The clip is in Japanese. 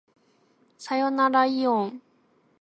さよならいおん